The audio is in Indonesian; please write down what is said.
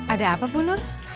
ada apa punur